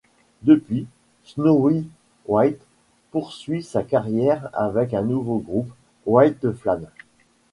Depuis, Snowy White poursuit sa carrière avec un nouveau groupe, White Flames.